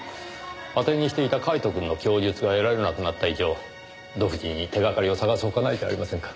当てにしていたカイトくんの供述が得られなくなった以上独自に手がかりを探す他ないじゃありませんか。